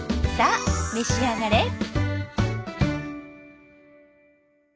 さあ召し上がれ！